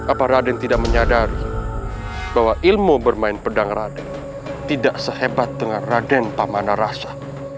apa raden tidak menyadari bahwa ilmu bermain pedang raden tidak sehebat dengan raden pamana rasa